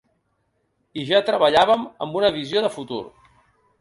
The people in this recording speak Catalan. I ja treballàvem amb una visió de futur.